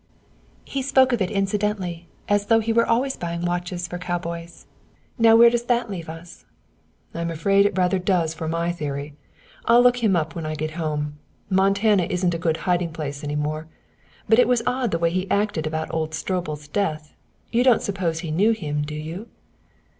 He spoke of it incidentally, as though he were always buying watches for cowboys. Now where does that leave us?" "I'm afraid it rather does for my theory. I'll look him up when I get home. Montana isn't a good hiding place any more. But it was odd the way he acted about old Stroebel's death. You don't suppose he knew him, do you?"